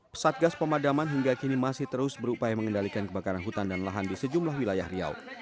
pesatgas pemadaman hingga kini masih terus berupaya mengendalikan kebakaran hutan dan lahan di sejumlah wilayah riau